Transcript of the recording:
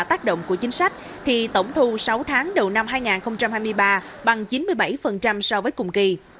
tác động của chính sách thì tổng thu sáu tháng đầu năm hai nghìn hai mươi ba bằng chín mươi bảy so với cùng kỳ